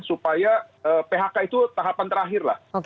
supaya phk itu tahapan terakhirlah